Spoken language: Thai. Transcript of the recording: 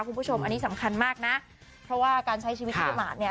คุณผู้ชมอันนี้สำคัญมากนะเพราะว่าการใช้ชีวิตที่ประมาทเนี่ย